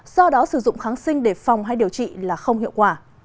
do đó sử dụng kháng sinh để phòng hay điều trị là không hiệu quả